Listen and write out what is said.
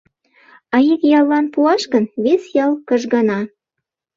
А ик яллан пуаш гын, вес ял кыжгана.